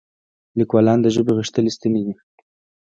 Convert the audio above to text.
لیکوالان د ژبې غښتلي ستني دي.